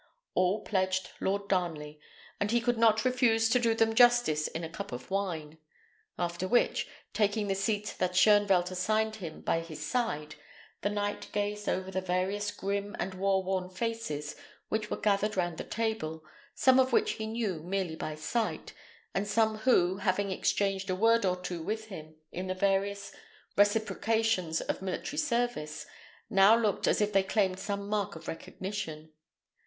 All pledged Lord Darnley, and he could not refuse to do them justice in a cup of wine. After which, taking the seat that Shoenvelt assigned him by his side, the knight gazed over the various grim and war worn faces which were gathered round the table, some of which he knew merely by sight, and some who, having exchanged a word or two with him in the various reciprocations of military service, now looked as if they claimed some mark of recognition.